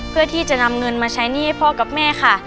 เพื่อที่จะนำเงินมาใช้หนี้ให้พ่อกับแม่ค่ะ